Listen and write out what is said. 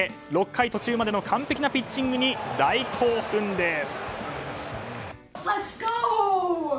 ６回途中までの完璧なピッチングに大興奮です。